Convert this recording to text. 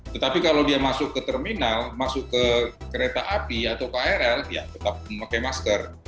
tetapi kalau dia masuk ke terminal masuk ke kereta api atau krl ya tetap memakai masker